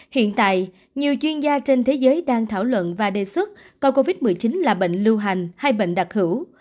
hiện tại nhiều chuyên gia trên thế giới đang thảo luận và đề xuất coi covid một mươi chín là bệnh lưu hành hay bệnh đặc hữu